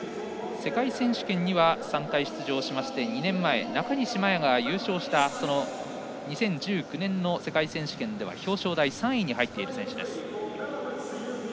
世界選手権には３回出場して２年前、中西麻耶が優勝した２０１９年の世界選手権では表彰台３位に入っている選手です。